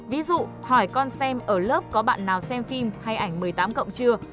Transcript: ví dụ hỏi con xem ở lớp có bạn nào xem phim hay ảnh một mươi tám cộng chưa